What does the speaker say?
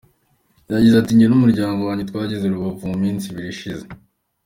Yagize ati “Njye n’umuryango wanjye twageze i Rubavu mu minsi ibiri ishize.